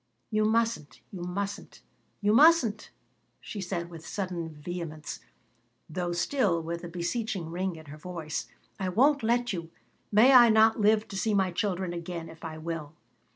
"You mustn't, you mustn't, you mustn't," she said, with sudden vehemence, though still with a beseeching ring in her voice. "I won't let you. May I not live to see my children again if I will.